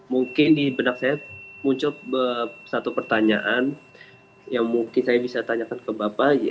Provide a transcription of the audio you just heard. mungkin di benak saya muncul satu pertanyaan yang mungkin saya bisa tanyakan ke bapak